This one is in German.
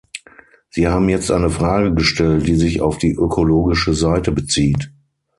Sie haben jetzt eine Frage gestellt, die sich auf die ökologische Seite bezieht.